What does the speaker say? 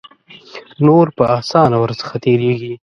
نور په آسانه ور څخه تیریږي.